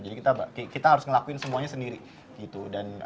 jadi kita harus ngelakuin semuanya sendiri gitu